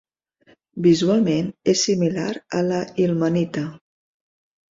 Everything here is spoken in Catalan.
Visualment és similar a la ilmenita.